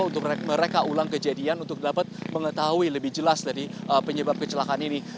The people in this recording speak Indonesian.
untuk mereka ulang kejadian untuk dapat mengetahui lebih jelas dari penyebab kecelakaan ini